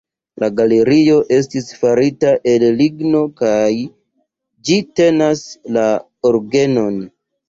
La galerio estis farita el ligno kaj ĝi tenas la orgenon.